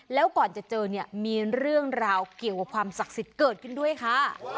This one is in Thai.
แล้วก่อนจะเจอเนี่ยมีเรื่องราวเกี่ยวกับความศักดิ์สิทธิ์เกิดขึ้นด้วยค่ะ